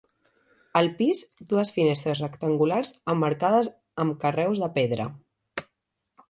Al pis, dues finestres rectangulars, emmarcades amb carreus de pedra.